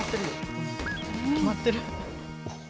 決まってる？